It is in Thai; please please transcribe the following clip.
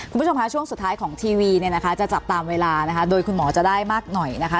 คุณผู้ชมคะช่วงสุดท้ายของทีวีเนี่ยนะคะจะจับตามเวลานะคะโดยคุณหมอจะได้มากหน่อยนะคะ